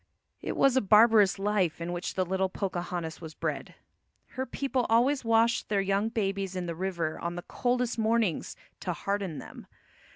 It was a barbarous life in which the little Pocahontas was bred. Her people always washed their young babies in the river on the coldest mornings to harden them.